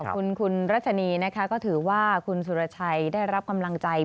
คุณรัชนีนะคะก็ถือว่าคุณสุรชัยได้รับกำลังใจ